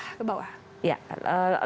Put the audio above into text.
bagaimana cara kita membawa